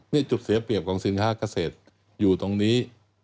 นี่จุดเสียเปรียบของสินค้าเกษตรอยู่ตรงนี้